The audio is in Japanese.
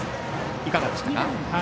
いかがでしたか。